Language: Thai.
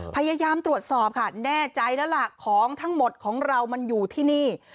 พยายามตรวจสอบค่ะแน่ใจแล้วล่ะของทั้งหมดของเรามันอยู่ที่นี่